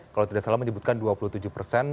kalau tidak salah menyebutkan dua puluh tujuh persen